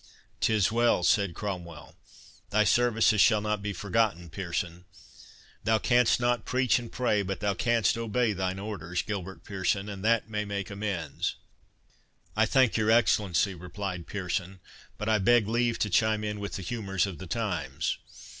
"'Tis well," said Cromwell; "thy services shall not be forgotten, Pearson. Thou canst not preach and pray, but thou canst obey thine orders, Gilbert Pearson, and that may make amends." "I thank your Excellency," replied Pearson; "but I beg leave to chime in with the humours of the times.